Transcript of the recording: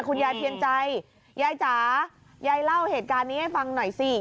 คุณยายเพียรใจยายจ๋ายายเล่าเหตุการณ์นี้ให้ฟังหน่อยสิ